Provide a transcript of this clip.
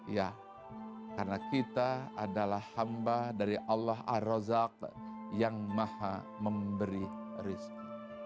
ya karena kita adalah hamba dari allah ar rozak yang maha memberi rizki